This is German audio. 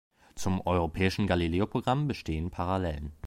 Zum europäischen Galileo-Programm bestehen Parallelen.